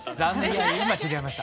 いや今知り合いました。